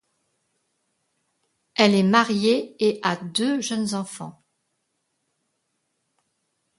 Elle est mariée et a deux jeunes enfants.